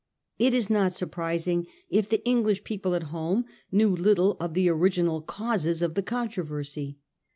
It is not surprising if the English people at home knew little of the ori ginal causes of the controversy.